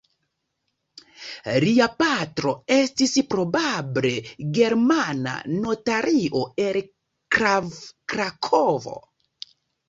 Lia patro estis probable germana notario el Krakovo.